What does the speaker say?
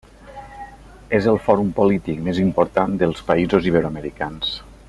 És el fòrum polític més important dels països iberoamericans.